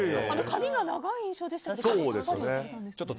髪が長い印象でしたけど。